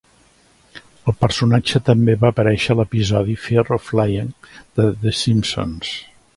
El personatge també va aparèixer a l'episodi "Fear of Flying" de "The Simpsons".